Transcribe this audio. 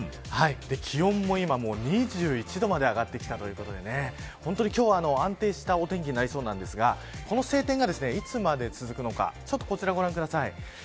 気温も今２１度まで上がってきたということで今日は安定したお天気となりそうですがこの晴天がいつまで続くのかこちらをご覧ください。